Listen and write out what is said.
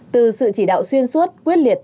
từ sự chỉ đạo xuyên suốt quyết liệt